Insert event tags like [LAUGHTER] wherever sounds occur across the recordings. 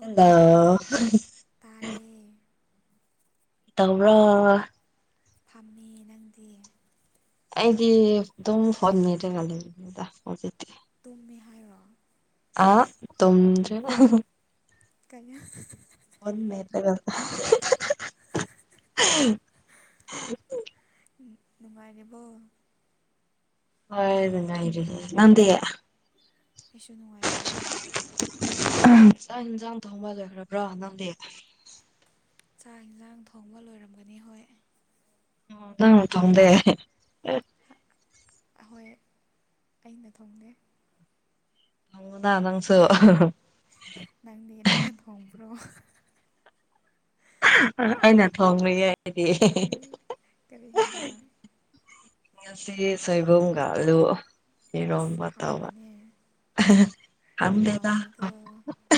ꯍꯗ ꯇꯔꯦ ꯇꯧꯕ꯭ꯔꯣ ꯐꯝꯃꯤ ꯅꯪꯗꯤ ꯑꯩꯗꯤ ꯑꯗꯨꯝ ꯐꯣꯟ ꯃꯦꯠꯂꯒ ꯂꯩꯕꯅꯤꯗ ꯍꯧꯖꯤꯛꯇꯤ ꯇꯨꯝꯃꯦ ꯍꯥꯏꯔꯣ ꯑ ꯇꯨꯗ꯭ꯔꯤꯅ ꯀꯩꯅꯣ ꯃꯨꯟ ꯃꯦꯠꯂꯗ ꯍꯝ ꯅꯨꯡꯉꯥꯏꯔꯤꯕꯣ ꯍꯉꯥꯏꯔꯤ ꯅꯗꯤꯌꯦ ꯀꯩꯁꯨ ꯅꯨꯡꯉꯥꯏꯔꯤꯑꯦ ꯆꯥꯛ ꯌꯦꯟꯁꯥꯡ ꯊꯣꯡꯕ ꯂꯩꯣꯏꯈ꯭ꯔꯕ꯭ꯔꯥ ꯅꯪꯗꯤ ꯆꯥꯛ ꯌꯦꯟꯁꯥꯡ ꯊꯣꯡꯕ ꯂꯣꯏꯔꯝꯒꯅꯤ ꯍꯣꯏ ꯑꯣꯗꯥꯡ ꯇꯗꯦ ꯑꯍꯣꯏ ꯑꯩꯅ ꯊꯣꯡꯗꯦ ꯀꯅꯅ ꯅꯪꯗꯦ ꯅꯪꯗꯦ ꯅꯪꯅ ꯊꯣꯕ꯭ꯔꯣ ꯑꯩꯅ ꯊꯣꯡꯉꯉꯏꯗꯤ ꯀꯔꯤ ꯍꯤꯟꯖꯥꯡ ꯉꯁꯤ ꯁꯣꯏꯕꯨꯝꯒꯥ ꯑꯂꯨ ꯏꯔꯣꯝ ꯑꯁ ꯋꯥꯠꯇꯧꯕ ꯍꯥꯎꯕꯅꯦ [UNINTELLIGIBLE] ꯊꯝꯗꯦꯗ ꯍꯥꯎꯒꯅꯤꯀꯣ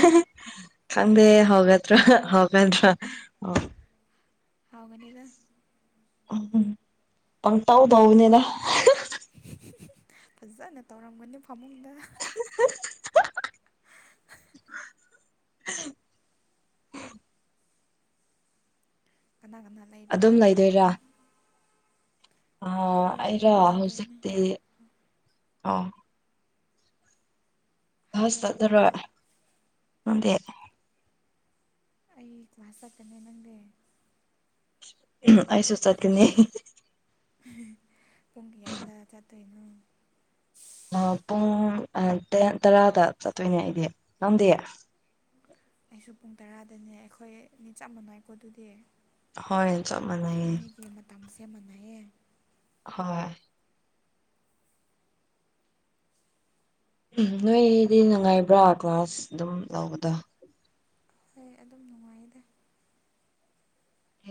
[UNINTELLIGIBLE] ꯈꯪꯗꯦ ꯍꯧꯒꯇ꯭ꯔꯣ ꯍꯒꯇ꯭ꯔꯣ ꯍꯥꯎꯒꯅꯦꯗ ꯎꯝ ꯄꯪꯇꯧ ꯇꯧꯕꯅꯦꯗ ꯐꯖꯅ ꯇꯧꯔꯝꯒꯅꯤ ꯐꯃꯨꯡꯗ [UNINTELLIGIBLE] [UNINTELLIGIBLE] ꯀꯅꯥ ꯀꯅꯥ ꯂꯩꯔꯤꯅꯣ ꯑꯗꯨꯝ ꯂꯩꯗꯣꯏꯔꯥ ꯑ ꯍꯣꯏ ꯑꯗꯨꯝ ꯑꯩꯔ ꯂꯩꯗꯣꯏꯅꯦ ꯍꯧꯖꯤꯛꯇꯤ ꯑꯣ ꯐꯥꯁ ꯍꯥꯏꯔꯣ ꯇꯥꯗꯣꯏꯔꯣ ꯅꯪꯗꯤ ꯑꯩ ꯀ꯭ꯂꯥꯁ ꯆꯠꯀꯅꯤ ꯅꯪꯗꯤ ꯑꯩꯁꯨ ꯆꯠꯀꯅꯤ ꯄꯨꯡ ꯀꯌꯥꯗ ꯆꯠꯇꯣꯏꯅꯣ ꯑ ꯄꯨꯡ ꯑ ꯇꯔꯥ ꯇꯔꯥꯗ ꯆꯠꯇꯣꯏꯅꯦ ꯑꯩꯗꯤ ꯅꯪꯗꯤ ꯑꯩꯁꯨ ꯄꯨꯡ ꯇꯔꯥꯗꯅꯦ ꯑꯈꯣꯏ ꯅꯤ ꯆꯞ ꯃꯥꯟꯅꯩꯀꯣ ꯑꯗꯨꯗꯤ ꯍꯣꯏ ꯆꯠ ꯃꯅꯩꯌꯦ ꯁꯤ ꯃꯇꯝꯁꯦ ꯃꯥꯟꯅꯩꯌꯦ ꯍꯣꯏ ꯎꯝ ꯅꯣꯏꯗꯤ ꯅꯨꯡꯉꯥꯏꯕ꯭ꯔꯥ ꯀ꯭ꯂꯥꯁ ꯑꯗꯨꯝ ꯂꯧꯕꯗꯣ ꯑꯩꯩ ꯑꯗꯨꯝ ꯅꯨꯡꯉꯥꯏꯗꯦ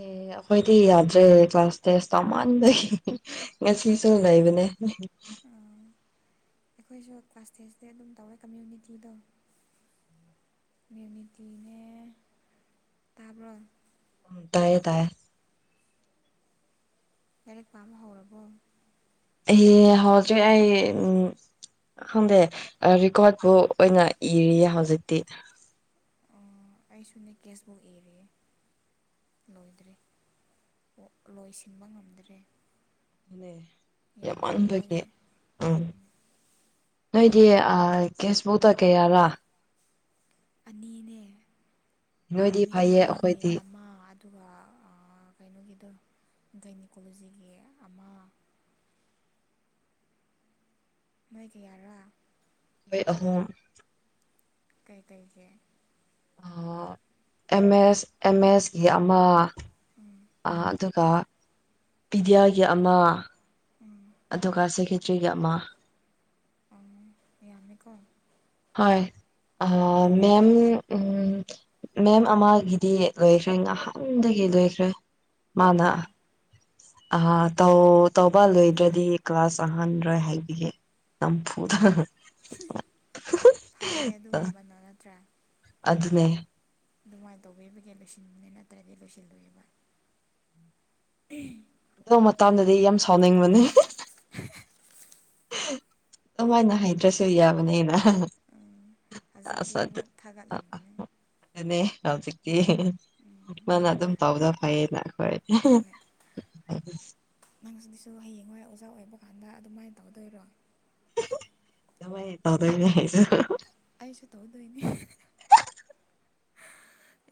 ꯑꯦ ꯑꯩꯈꯣꯏꯗꯤ ꯌꯥꯗ꯭ꯔꯦ ꯀ꯭ꯂꯥꯁ ꯇꯦꯁ ꯇꯧꯃꯟꯕꯒꯤ ꯉꯁꯤꯁꯨ ꯂꯩꯕꯅꯦ ꯑꯈꯣꯏꯁꯨ ꯀ꯭ꯂꯥꯁ ꯇꯦꯁꯇꯤ ꯑꯗꯨꯝ ꯇꯧꯋꯦ ꯀꯝꯃ꯭ꯌꯨꯅꯤꯇꯤꯗꯣ ꯃꯤꯃꯤꯀ꯭ꯔꯤꯅꯧ ꯇꯥꯕ꯭ꯔꯣ ꯎꯝ ꯇꯥꯏꯌꯦ ꯇꯥꯏꯌꯦ ꯂꯥꯏꯔꯤꯛ ꯄꯥꯕ ꯍꯧꯔꯕꯣ ꯑꯩ ꯍꯧꯖꯤꯛ ꯑꯩ ꯎꯝ ꯈꯪꯗꯦ ꯑ ꯔꯦꯀꯣꯔꯠꯄꯨ ꯑꯣꯏꯅ ꯏꯔꯤꯌꯦ ꯍꯧꯖꯤꯛꯇꯤ ꯑꯩꯁꯨꯅꯦ ꯀꯦꯁꯕꯨꯛ ꯏꯔꯤꯌꯦ ꯂꯣꯏꯗ꯭ꯔꯦ ꯂꯣꯏꯁꯤꯟꯕ ꯉꯝꯗ꯭ꯔꯦ ꯌꯥꯝ ꯃꯥꯟꯕꯒꯤ ꯌꯥꯝꯃꯟꯕꯒꯤ ꯑ ꯅꯣꯏꯗꯤ ꯀꯦꯁꯕꯨꯛꯇ ꯀꯩꯌꯥꯔꯥ ꯑꯅꯤꯅꯦ ꯅꯣꯏꯗꯤ ꯐꯩꯌꯦ ꯀꯃ꯭ꯌꯨꯅꯤꯇꯤꯒꯤ ꯑꯩꯈꯣꯏꯗꯤ ꯑꯃ ꯑꯗꯨꯒ ꯀꯩꯅꯣꯒꯤꯗ ꯒꯥꯏꯅꯤꯀꯣꯂꯣꯖꯤꯒꯤ ꯑꯃ ꯅꯣꯏꯒꯤꯌꯥꯔꯥ ꯑꯩꯈꯣꯏ ꯑꯍꯨꯝ ꯀꯩ ꯀꯩꯁꯦ ꯑꯦꯝ ꯑꯦꯁ ꯑꯦꯝ ꯑꯦꯁꯀꯤ ꯑꯃ ꯑ ꯑꯗꯨꯒ ꯄꯤꯗꯤꯌꯥꯒꯤ ꯑꯃ ꯎꯝ ꯑꯗꯨꯒ ꯁꯦꯀꯦꯇ꯭ꯔꯤꯒꯤ ꯑꯃ ꯑꯪ ꯍꯣꯏ ꯌꯥꯝꯃꯤꯀꯣ ꯍꯣꯏ ꯑ ꯃꯦꯝ ꯃꯦꯝ ꯑꯃꯒꯤꯗꯤ ꯂꯣꯏꯈ꯭ꯔꯦ ꯉꯥꯍꯥꯟꯗꯒꯤ ꯂꯣꯏꯈ꯭ꯔꯦ ꯑꯣ ꯃꯥꯅ ꯑ ꯇꯧ ꯇꯧꯕ ꯂꯣꯏꯗ꯭ꯔꯗꯤ ꯀ꯭ꯂꯥꯁ ꯆꯪꯍꯟꯗ꯭ꯔꯦ ꯍꯥꯏꯕꯤꯌꯦ ꯅꯝꯐꯨꯗ ꯐꯥꯔꯦ ꯑꯗꯨꯒꯨꯝꯕꯗꯣ ꯅꯠꯇ꯭ꯔꯥ ꯑꯗꯨꯅꯦ ꯑꯗꯨꯃꯥꯏꯅ ꯇꯧꯕꯤꯕꯒꯤ ꯂꯣꯏꯁꯤꯟꯕꯅꯦ ꯅꯠꯇ꯭ꯔꯗꯤ ꯂꯣꯏꯁꯤꯜꯂꯣꯏꯑꯕ ꯑꯗꯨ ꯃꯇꯝꯗꯗꯤ ꯌꯥꯝ ꯁꯥꯎꯅꯤꯡꯕꯅꯦ ꯑꯗꯨꯃꯥꯏꯅ ꯍꯩꯗ꯭ꯔꯁꯨ ꯌꯥꯕꯅꯦꯅ ꯎꯝ ꯍꯧꯖꯤꯛꯇꯤ ꯑꯁ ꯑꯗꯨ ꯑꯃꯨꯛ ꯊꯥꯒꯠꯂꯝꯒꯅꯤ ꯑꯗꯨꯅꯦ ꯍꯧꯖꯤꯀꯤ ꯎꯝ ꯃꯥꯅ ꯑꯗꯨꯝ ꯇꯧꯕꯗ ꯐꯩꯌꯦꯅ ꯑꯩꯈꯣꯏ ꯅꯪꯁꯤꯁꯨ ꯍꯌꯦꯡꯋꯥꯏ ꯑꯣꯖꯥ ꯑꯣꯏꯕ ꯀꯥꯟꯗ ꯑꯗꯨꯃꯥꯏꯅ ꯇꯧꯗꯣꯏꯔꯣ ꯃꯥꯏ ꯇꯧꯗꯅꯤ ꯍꯥꯏꯁꯨ ꯑꯩꯁꯨ ꯇꯧꯗꯣꯏꯅꯤ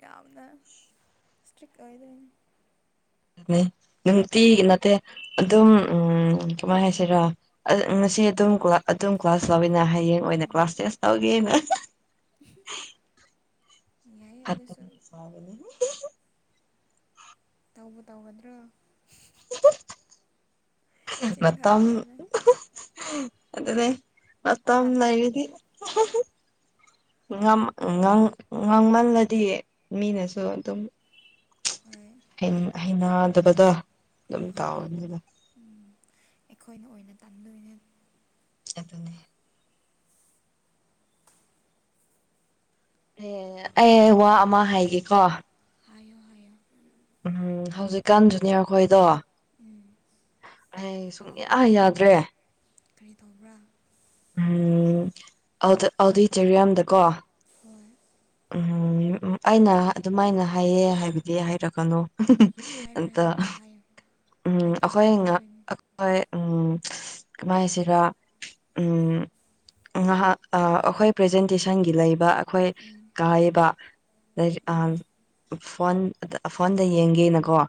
ꯌꯥꯝꯅ ꯏꯁꯇ꯭ꯔꯤꯛ ꯑꯣꯏꯗ꯭ꯣꯏꯅꯦ ꯅꯨꯡꯇꯤꯒꯤ ꯅꯠꯇꯦ ꯑꯗꯨꯝ ꯎꯝ ꯀꯃꯥꯏ ꯍꯥꯏꯁꯤꯔꯥ ꯉꯁꯤ ꯑꯗꯨꯝ ꯑꯗꯨꯝ ꯀ꯭ꯂꯥꯁ ꯂꯧꯏꯅ ꯍꯌꯦꯡ ꯑꯣꯏꯅ ꯎꯝ ꯀ꯭ꯂꯥꯁ ꯇꯦꯛꯁ ꯇꯧꯒꯦꯅ ꯌꯥꯏꯌꯦ ꯑꯗꯨꯁꯨ ꯀꯊꯒꯤ ꯁꯋꯥꯒꯅꯤꯅꯤ ꯇꯧꯕ ꯇꯧꯒꯗ꯭ꯔꯣ ꯆꯤꯟ ꯃꯥꯇꯝ ꯈꯛꯇꯅꯤꯅ ꯑꯗꯨꯗꯅꯦ ꯃꯠꯇꯝ ꯇꯜꯂꯦ ꯂꯏꯔꯗꯤ ꯫ ꯉꯝ ꯉꯥꯝꯃꯜꯂꯗꯤ ꯃꯤꯅꯁꯨ ꯑꯗꯨꯝ ꯍꯣꯏ ꯍꯩꯅꯗꯕꯗ ꯍꯣꯏ ꯑꯗꯨꯝ ꯍꯣꯏ ꯇꯥꯎꯋꯅꯤꯅ ꯎꯝ ꯑꯩꯈꯣꯏꯅ ꯑꯣꯏꯅ ꯇꯥꯟꯗꯣꯏꯅꯦ ꯑꯗꯨꯅꯅꯦ ꯑꯦ ꯑꯩ ꯋꯥ ꯑꯃ ꯍꯥꯏꯒꯦꯀꯣ꯫ ꯍꯥꯏꯌꯣ ꯍꯥꯏꯌꯣ ꯎꯝ ꯍꯧꯖꯤꯛꯀꯥꯟ ꯖꯨꯅꯤꯌꯔꯈꯣꯏꯗꯣ ꯎꯝ ꯑꯩ ꯁꯨꯡꯌꯥ ꯌꯥꯗ꯭ꯔꯦ꯫ ꯀꯩ ꯇꯧꯕ꯭ꯔꯥ ꯎꯝ ꯑꯗꯆꯦꯔꯤꯌꯝꯗꯀꯣ ꯍꯣꯏ ꯎꯝ ꯎꯝ ꯑꯩꯅ ꯑꯗꯨꯃꯥꯏꯅ ꯍꯥꯏꯌꯦ ꯍꯥꯏꯕꯗꯤ ꯍꯥꯏꯔꯛꯀꯅꯨ꯫ ꯍꯥꯏꯔꯣꯏ ꯑꯇ ꯍꯥꯏꯔꯣꯏ ꯍꯥꯏꯌꯨ ꯎꯝ ꯀꯩꯗꯧꯕꯩ ꯑꯩꯈꯣꯏꯅ ꯍꯥꯏꯗꯣꯏꯅꯣ ꯍꯣꯏ ꯎꯝ ꯀꯃꯥꯏ ꯍꯥꯏꯁꯤꯔ ꯎꯝ ꯉꯍꯥꯛ ꯑꯩꯈꯣꯏ ꯄ꯭ꯔꯖꯦꯟꯇꯦꯁꯟꯒꯤ ꯂꯩꯕ ꯑꯩꯈꯣꯏ ꯎꯝ ꯀꯥꯏꯕ ꯑ ꯎꯝ ꯐꯣꯟ ꯐꯣꯟꯗ ꯌꯦꯡꯒꯦꯅꯀꯣ꯫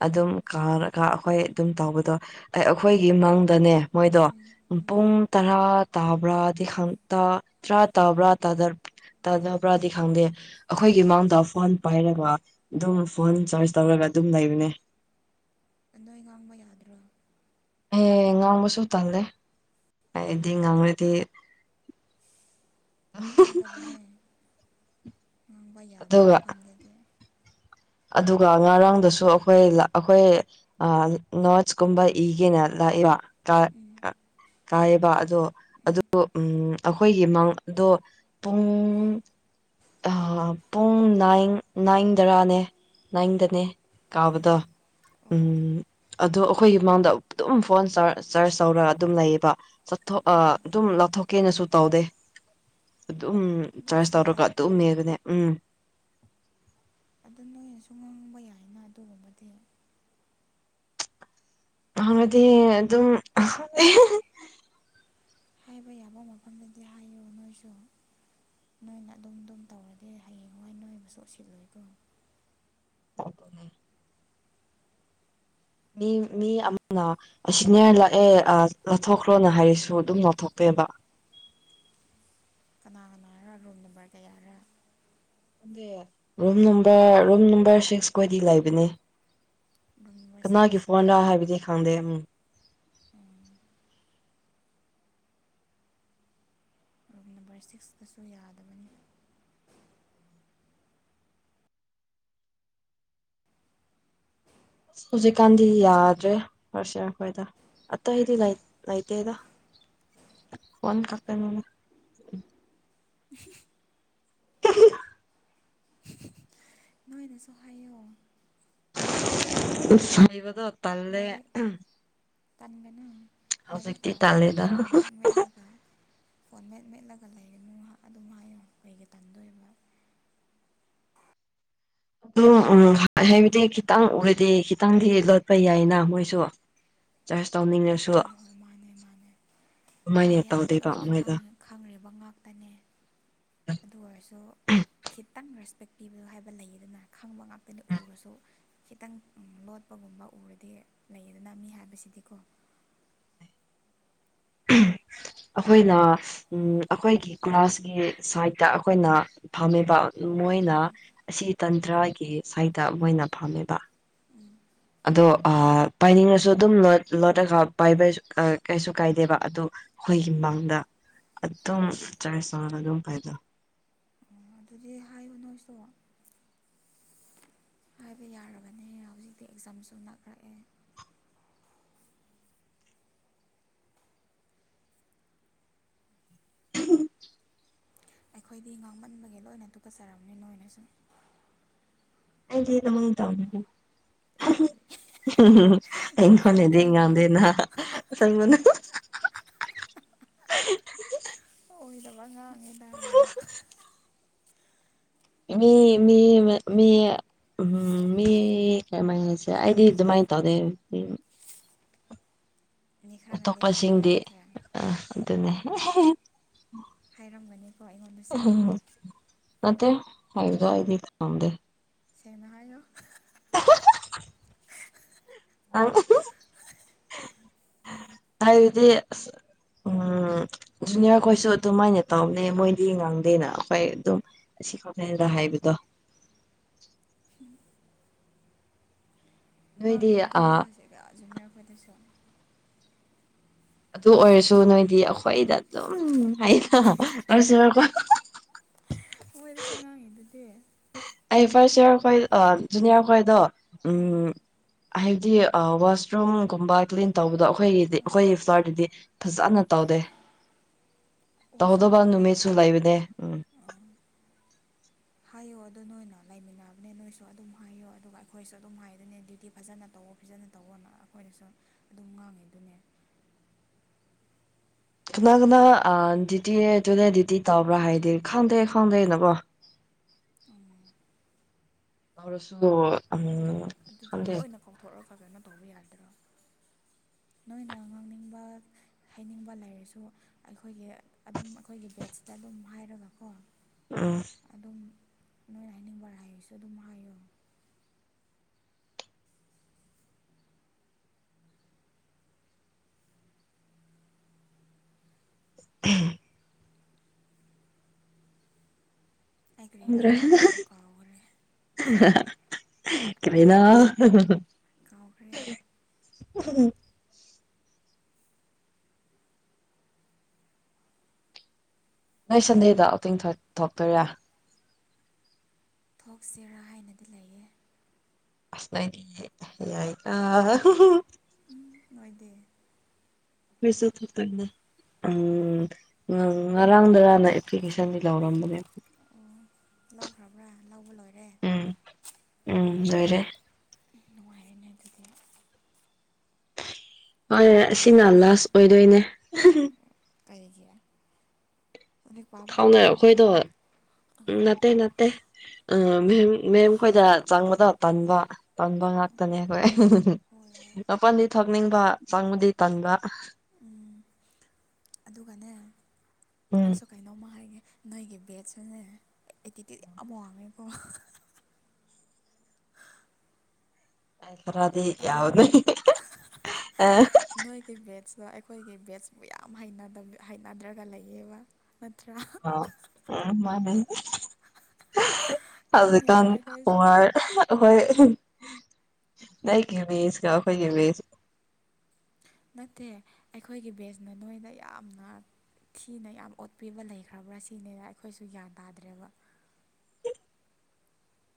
ꯍꯣꯏ ꯑꯗꯨꯝ ꯀꯥꯔꯒ ꯑꯩꯈꯣꯏ ꯑꯗꯨꯝ ꯇꯧꯕꯗꯣ ꯑꯩꯈꯣꯏꯒꯤ ꯃꯪꯗꯅꯦ ꯃꯣꯏꯗꯣ ꯎꯝ ꯎꯝ ꯄꯨꯡ ꯇꯔꯥ ꯇꯥꯕ꯭ꯔꯥꯗꯤ ꯈꯪ ꯇꯔꯥ ꯇꯥꯕ꯭ꯔꯥꯥ ꯇꯥꯗꯄꯔꯥꯗꯤ ꯈꯪꯗꯦ꯫ ꯑꯩꯈꯣꯏꯒꯤ ꯏꯃꯥꯡꯗ ꯐꯣꯟ ꯄꯥꯏꯔꯒ ꯑꯗꯨꯝ ꯐꯣꯟ ꯆꯥꯔꯖ ꯇꯧꯔꯒ ꯑꯗꯨꯝ ꯂꯩꯕꯅꯦ꯫ ꯑꯗ ꯉꯥꯡꯕ ꯌꯥꯗ꯭ꯔꯣ꯫ ꯑ ꯉꯥꯡꯕꯁꯨ ꯇꯜꯂꯦ ꯑꯩꯗꯤ ꯉꯥꯡꯉꯗꯤ ꯉꯥꯡꯒꯗꯕꯅꯦ꯫ ꯉꯥꯡꯕ ꯌꯥꯕ ꯑꯗꯨꯒ ꯃꯐꯝꯗꯗꯤ꯫ ꯑꯗꯨꯒ ꯉꯔꯥꯡꯗꯁꯨ ꯑꯩꯈꯣꯏ ꯑꯩꯈꯣꯏ ꯑ ꯅꯣꯆ ꯀꯨꯝꯕ ꯏꯒꯅꯦꯂ ꯏꯋꯥ ꯀ ꯎꯝ ꯇꯥꯏꯌꯦꯕ ꯑꯗꯣ ꯑꯗꯨ ꯎꯝ ꯑꯩꯈꯣꯏꯒꯤ ꯃꯪꯗꯣ ꯄꯨꯡ ꯑꯥ ꯄꯨꯡ ꯅꯥꯏ ꯅꯥꯏꯟ ꯇꯔꯥꯅꯦ ꯅꯅꯥꯪꯗꯅꯦ ꯎꯝ ꯀꯥꯕꯗ ꯎꯝ ꯑꯣ ꯑꯗꯣ ꯑꯩꯈꯣꯏꯒꯤ ꯃꯥꯡꯗ ꯑꯗꯨꯝ ꯐꯣꯟ ꯆꯥꯔꯖ ꯇꯧꯔꯒ ꯑꯗꯨꯝ ꯂꯩꯌꯦꯕ꯫ ꯆꯠꯊꯣꯛ ꯑ ꯑꯣ ꯑꯗꯨꯝ ꯂꯥꯞꯊꯣꯛꯀꯦꯅꯁꯨ ꯇꯧꯗꯦ꯫ ꯑꯗꯨꯝ ꯑꯗꯨꯝ ꯆꯔꯁ ꯇꯧꯔꯒ ꯐ꯭ꯔꯤꯗ ꯑꯗꯨꯝꯅꯦꯕꯅꯦ ꯎꯝ ꯅꯪꯅꯁꯨ ꯉꯥꯡꯕ ꯌꯥꯏꯅ ꯑꯗꯨꯒꯨꯝꯕꯗꯤ ꯍꯥꯏꯗꯤ ꯑꯗꯨꯝ ꯍꯥꯏꯕ ꯌꯥꯕ ꯃꯐꯝꯗꯗꯤ ꯍꯥꯏꯌꯨ ꯅꯣꯏꯁꯨ ꯅꯣꯏꯅ ꯑꯗꯨꯝ ꯑꯗꯨꯝ ꯇꯧꯔꯗꯤ ꯍꯌꯦꯡꯋꯥꯏ ꯅꯣꯏꯕꯨꯁꯨ ꯎꯠꯁꯤꯜꯂꯣꯏꯀꯣ꯫ [INAUDIBLE] ꯃꯤ ꯃꯤ ꯑꯃꯅ ꯁꯥꯅꯤꯌꯔ ꯂꯥꯛꯑꯦ ꯑꯥ ꯂꯧꯊꯣꯛꯈ꯭ꯔꯣꯅ ꯍꯥꯏꯔꯁꯨ ꯑꯗꯨꯝ ꯂꯧꯊꯣꯛꯇꯦꯕ ꯀꯅꯥ ꯀꯅꯥꯔ ꯔꯨꯝ ꯅꯝꯕꯔ ꯀꯌꯥꯔ? Room number room number six ꯀꯣꯏꯗꯤ ꯂꯩꯕꯅꯦ꯫ ꯔꯨꯝ ꯅꯝꯕꯔ ꯀꯅꯥꯒꯤ ꯁꯤꯛꯁ ꯐꯣꯟꯅꯣ ꯍꯥꯏꯕꯗꯤ ꯈꯪꯗꯦ ꯎꯝ ꯔꯨꯝ ꯅꯝꯕꯔ ꯁꯤꯛꯁꯇꯁꯨ ꯌꯥꯗꯕꯅꯤ꯫ ꯍꯧꯖꯤꯛꯀꯥꯟꯗꯤ ꯑꯇꯩꯗꯤ ꯌꯥꯗ꯭ꯔꯦ ꯐꯔꯁ ꯑꯩꯈꯣꯏꯗꯣ ꯑꯇꯩꯗꯤ ꯂꯩꯇꯦꯗ꯫ ꯐꯣꯟ ꯈꯛꯇꯪꯅꯤ꯫ [INAUDIBLE] ꯅꯣꯏꯅꯁꯨ ꯍꯥꯏꯌꯣ [UNINTELLIGIBLE] ꯕꯗꯣ ꯇꯜꯂꯦ ꯂꯥꯏꯔꯤꯛ ꯇꯟꯒꯅꯨ ꯂꯥꯏꯔꯤꯛ ꯍꯧꯖꯤꯛꯇꯤ ꯄꯥꯑꯣ ꯇꯜꯂꯦꯗ ꯐꯣꯟ ꯃꯦꯠ ꯃꯦꯠꯂꯒ ꯐꯣꯟꯠ ꯃꯦꯠ ꯃꯦꯠꯂꯒ ꯂꯩꯒꯅꯨ ꯑꯗꯨꯝ ꯍꯥꯏꯌꯨ ꯀꯩꯒꯤ ꯇꯟꯗꯣꯏꯕ ꯑꯗꯨ ꯎꯝ ꯍꯥꯏꯕꯗꯤ ꯈꯤꯇꯪ ꯎꯔꯗꯤ ꯈꯤꯇꯪꯗꯤ ꯂꯣꯠꯄ ꯌꯥꯏꯅ ꯃꯣꯏꯁꯨ [INAUDIBLE] ꯆꯥꯔꯖ ꯇꯧꯅꯤꯡꯉꯁꯨ ꯍꯣꯏ ꯍꯣꯏ ꯃꯥꯅꯦ ꯃꯥꯅꯦ ꯄꯥꯏ ꯑꯗꯨꯃꯥꯏꯅ ꯍꯥꯏꯕ ꯇꯧꯗꯦꯕ ꯂꯣꯏꯅ ꯃꯣꯏꯗꯣ ꯈꯪꯉꯦ ꯈꯪꯔꯤꯕ ꯉꯥꯛꯇꯅꯦ ꯑꯗꯨ ꯑꯣꯏꯔꯁꯨ ꯈꯤꯇꯪ ꯔꯦꯁꯄꯦꯛ ꯄꯤꯕ ꯍꯥꯏꯕ ꯂꯩꯗꯅ ꯈꯪꯕ ꯉꯥꯛꯇꯅꯤ ꯎꯔꯁꯨ ꯈꯤꯇꯪ ꯂꯣꯠꯄꯒꯨꯝꯕ ꯎꯔꯗꯤ ꯂꯩꯗꯅ ꯃꯤ ꯍꯥꯏꯕꯁꯤꯗꯤꯀꯣ [INAUDIBLE] ꯑꯩꯈꯣꯏꯅ ꯎ ꯑꯩꯈꯣꯏꯒꯤ ꯒ꯭ꯂꯥꯁꯀꯤ ꯁꯥꯏꯠꯇ ꯑꯩꯈꯣꯏꯅ ꯐꯝꯃꯤꯕ ꯃꯣꯏꯅ ꯑꯁꯤ ꯇꯟꯇ꯭ꯔꯒꯤ ꯁꯥꯏꯠꯇ ꯃꯣꯏ ꯑꯣꯏꯅ ꯐꯝꯃꯦꯕ ꯑꯗꯣ ꯄꯥꯏꯅꯤꯡꯉꯁꯨ ꯑꯗꯨꯝ ꯂꯣꯠꯂꯒ ꯄꯥꯏꯕ ꯀꯩꯁꯨ ꯀꯥꯏꯗꯦꯕ ꯑꯗꯣ ꯍꯣꯏ ꯑꯩꯈꯣꯏꯒꯤ ꯍꯣꯏ ꯃꯥꯡꯗ ꯑꯗꯨꯝ ꯆꯔ ꯆꯥꯅ ꯑꯗꯨꯝ ꯄꯥꯏꯗ ꯑꯗꯨꯗꯤ ꯍꯥꯏꯌꯨ ꯅꯣꯏꯁꯨ ꯍꯥꯏꯕ ꯌꯥꯔꯕꯅꯦ ꯍꯧꯖꯤꯛꯇꯤ ꯑꯦꯛꯖꯥꯝꯁꯨ ꯅꯛꯔꯛꯑꯦ [INAUDIBLE] ꯑꯩꯈꯣꯏꯗꯤ ꯉꯥꯡꯃꯟꯕꯒꯤ ꯂꯣꯏꯅ ꯇꯨꯀꯠꯆꯔꯕꯅꯤ ꯅꯣꯏꯅꯁꯨꯨ ꯏ ꯏ [UNINTELLIGIBLE] ꯅꯆꯤꯟ ꯑꯩꯉꯣꯟꯗꯗꯤ ꯊꯤꯒꯅꯨ ꯉꯝꯗꯦꯅ ꯑꯣꯏꯗꯕ ꯉꯥꯡꯉꯤꯗ [INAUDIBLE] ꯃꯤ ꯃꯤ ꯃꯤ ꯎꯝ ꯃꯤ ꯀꯩꯃꯥꯏꯁꯦ ꯑꯩꯗꯤ ꯑꯗꯨꯃꯥꯏꯅ ꯇꯧꯗꯦ꯫ ꯃꯤ ꯈꯔꯅꯗꯤ ꯇꯧꯋꯦ ꯑꯇꯣꯞꯄꯁꯤꯡꯗꯤ ꯅꯠꯇ꯭ꯔꯥ ꯑ ꯑꯗꯨꯅꯦ ꯍꯥꯏꯔꯝꯒꯅꯤꯀꯣ ꯑꯩꯉꯣꯟꯗꯁꯨ ꯎꯝ ꯅꯠꯇꯦ [UNINTELLIGIBLE] ꯁꯦꯡꯅ ꯍꯥꯏꯌꯣ [INAUDIBLE] ꯅꯪ ꯑꯩꯗꯤ ꯎꯝ ꯖꯨꯅꯤꯌꯔ ꯈꯣꯏꯁꯨ ꯑꯗꯨꯃꯥꯏꯅ ꯇꯧꯕꯅꯦ ꯃꯣꯏꯗꯤ ꯉꯥꯡꯗꯦꯅ ꯑꯩꯈꯣꯏ ꯑꯗꯨꯝ ꯁꯤ ꯈꯛꯇ ꯍꯥꯏꯕꯗꯣ ꯅꯣꯏꯗꯤ ꯉꯥꯡꯉꯤꯗꯨꯗꯤ ꯑ ꯐꯁ [UNINTELLIGIBLE] ꯖꯨꯅꯤꯌꯔ ꯈꯣꯏꯗꯁꯨ ꯑꯗꯨ ꯑꯣꯏꯔꯁꯨ ꯅꯣꯏꯗꯤ ꯑꯩꯈꯣꯏꯗ ꯑꯗꯨꯝ ꯍꯥꯏꯀꯣ ꯃꯣꯏꯗꯁꯨ ꯉꯥꯡꯉꯤ ꯗꯨꯗꯤ ꯑꯩ ꯐꯥꯔꯁ ꯏꯌ꯭ꯔ ꯑꯩꯈꯣꯏ ꯖꯨꯅꯤꯌꯥꯔ ꯈꯣꯏꯗꯣ ꯑꯥ ꯎꯝ ꯍꯥꯏꯗꯤ ꯋꯥꯁꯔꯨꯝꯒꯨꯝꯕ ꯀ꯭ꯂꯤꯟ ꯇꯧꯕꯗꯣ ꯑꯩꯈꯣꯏꯒꯤꯗꯤ ꯑꯩꯈꯣꯏꯒꯤ ꯐ꯭ꯂꯣꯔꯗꯗꯤ꯫ ꯐꯖꯅ ꯇꯧꯗꯦ [INAUDIBLE] ꯇꯧꯗꯕ ꯋꯥꯁꯔꯨꯝꯁꯨ ꯅꯨꯃꯤꯠꯁꯨ ꯂꯩꯕꯅꯦ ꯎꯝ ꯍꯥꯏꯌꯣ ꯑꯗꯨ ꯅꯣꯏꯅ ꯂꯩꯃꯤꯟꯅꯕꯅꯦ ꯅꯣꯏꯁꯨ ꯑꯗꯨꯝ ꯍꯥꯏꯌꯣ ꯑꯗꯨꯒ ꯑꯩꯈꯣꯏꯁꯨ ꯑꯗꯨꯝ ꯍꯥꯏꯗꯨꯅꯦ ꯗ꯭ꯌꯨꯇꯤ ꯐꯖꯅ ꯇꯧ ꯐꯖꯅ ꯇꯧꯑꯣꯅ ꯑꯩꯈꯣꯏꯗꯁꯨ ꯑꯗꯨꯝ ꯉꯥꯡꯉꯤꯗꯨꯅꯦ ꯀꯅꯥꯒꯅ ꯗꯨꯇꯤ ꯑꯗꯨꯅꯦ ꯗꯨꯇꯤ ꯇꯕ꯭ꯔꯥ ꯍꯥꯏꯗꯤ ꯈꯪꯗꯦ ꯈꯪꯗꯦ ꯅꯀꯣ [UNINTELLIGIBLE] ꯑꯗꯨꯗꯤ ꯂꯣꯏꯅ ꯀꯥꯎꯊꯣꯛꯑ ꯐꯖꯅ ꯇꯧꯕ ꯌꯥꯗ꯭ꯔꯣ ꯅꯣꯏꯅ ꯉꯥꯡꯅꯤꯡꯕ ꯍꯥꯏꯅꯤꯡꯕ ꯂꯩꯔꯁꯨ ꯑꯩꯈꯣꯏꯒꯤ ꯑꯗꯨꯝ ꯑꯩꯈꯣꯏꯒꯤ ꯕꯦꯠꯁꯇ ꯑꯗꯨꯝ ꯍꯥꯏꯔꯒꯀꯣ ꯎꯝ ꯑꯗꯨꯝ ꯅꯣꯏꯅ ꯍꯥꯏꯅꯤꯡꯕ ꯍꯥꯏꯁꯨ ꯑꯗꯨꯝ ꯍꯥꯏꯌꯣ ꯎꯝ ꯑꯩ ꯀ꯭ꯔꯤꯔꯥ ꯍꯥꯏꯒꯦ ꯇꯧꯗꯣ ꯀꯥꯎꯈ꯭ꯔꯦ ꯀꯥꯏꯅꯥ ꯀꯥꯎꯈ꯭ꯔꯦ ꯎ ꯅꯣꯏ ꯁꯟꯗꯦꯗ ꯑꯣꯇꯤꯡ ꯊꯣꯛꯇꯣꯏꯔꯥ ꯊꯣꯛꯁꯤꯔꯥ ꯍꯥꯏꯅꯗꯤ ꯂꯩꯌꯦ ꯑꯁꯅꯒꯤ ꯌꯥꯏ ꯑ ꯅꯣꯏꯗꯤ ꯐꯁꯨ ꯊ ꯀꯅ ꯎꯝ ꯉꯔꯥꯡꯗꯔꯅ ꯑꯦꯄ꯭ꯂꯤꯀꯦꯁꯟꯗꯤ ꯂꯧꯔꯝꯕꯅꯦꯕ ꯑꯣ ꯂꯧꯈ꯭ꯔꯕ꯭ꯔꯥ ꯂꯧꯕ ꯂꯣꯏꯔꯦ ꯎꯝ ꯎꯝ ꯌꯥꯣꯏꯔꯦ ꯑꯩꯅꯗꯨꯗꯒꯤ ꯍꯣꯏ ꯑꯁꯤꯅ ꯑꯗꯨꯒꯅꯦ ꯂꯥꯁ ꯑꯣꯏꯗꯣꯏꯅꯦ ꯀꯔꯤꯒꯤ ꯂꯥꯏꯔꯤꯛ ꯄꯥꯕ ꯈꯥꯎꯅꯩꯔ ꯍꯧꯔꯒꯦ ꯑꯩꯈꯣꯏꯗꯣ ꯍꯥꯏꯕ꯭ꯔꯣ ꯎꯝ ꯅꯠꯇꯦ ꯅꯠꯇꯦ ꯎꯝ ꯃ ꯃꯦꯝ ꯈꯣꯏꯗ ꯆꯪꯕꯗꯣ ꯇꯟꯕ ꯇꯟꯕ ꯉꯥꯛꯇꯅꯦ ꯑꯩꯈꯣꯏ꯫ ꯍꯣꯏ ꯍꯣꯏ꯫ ꯃꯄꯜꯗꯤ ꯊꯛꯅꯤꯡꯕ ꯆꯪꯕꯨꯗꯤ ꯇꯟꯕ ꯎꯝ ꯑꯗꯨꯒꯅꯦ ꯎꯝ ꯑꯩꯁꯨ ꯀꯩꯅꯣꯝꯃ ꯍꯥꯏꯉꯦ ꯅꯣꯏꯒꯤ ꯕꯦꯠꯁꯨꯅꯦ ꯑꯦꯇꯤꯇ꯭ꯌꯨꯠ ꯌꯥꯝ ꯋꯥꯡꯉꯦꯕꯣ ꯑ ꯈꯔꯥꯗꯤ ꯌꯥꯎꯅꯤ ꯇꯥꯕ꯭ꯔꯣ ꯑ ꯅꯣꯏꯒꯤ ꯕꯦꯠꯁꯇꯣ ꯑꯩꯈꯣꯏꯒꯤ ꯕꯦꯠꯁꯕꯨ ꯌꯥꯝ ꯍꯩꯅꯗ꯭ꯔꯒ ꯂꯩꯌꯦꯕ ꯅꯠꯇ ꯑ ꯃꯥꯅꯦ ꯑꯖꯤ ꯈꯪꯉꯦꯕ ꯀꯥꯟ ꯑꯩꯈꯣꯏꯁꯨ ꯎꯔ ꯑꯩꯈꯣꯏ ꯂꯒꯤ ꯋꯖꯀ ꯑꯩꯈꯣꯏꯒꯤ ꯋꯁ ꯅꯠꯇꯦ ꯑꯩꯈꯣꯏꯒꯤ ꯕꯦꯖꯅ ꯅꯣꯏꯗ ꯌꯥꯝꯅ ꯊꯤꯅ ꯌꯥꯝ ꯑꯣꯠꯄꯤꯕ ꯂꯩꯈ꯭ꯔꯕ꯭ꯔꯥ ꯁꯤꯅꯦꯅ ꯑꯩꯈꯣꯏꯁꯨ ꯒ꯭ꯌꯥꯟ ꯇꯥꯗ꯭ꯔꯦꯕ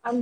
ꯌꯥꯝ